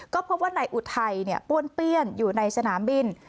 ก็พบว่านายอุทัยป้วนเปี้ยนอยู่ในสนามบิน